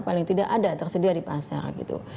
paling tidak ada tersedia di pasar gitu